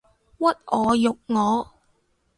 屈我辱我